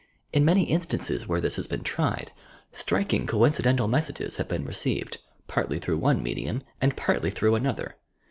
In many instances, where this has been tried, striking coincidental messages have been received, partly through one medium and partly through another.